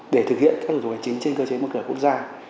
để thực hiện các hội đồng hành chính trên cơ chế mức cửa quốc gia